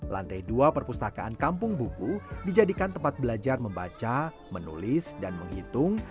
lantai dua perpustakaan kampung buku dijadikan tempat belajar membaca menulis dan menghitung